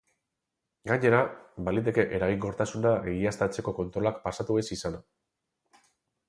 Gainera, baliteke eraginkortasuna egiaztatzeko kontrolak pasatu ez izana.